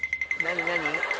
何？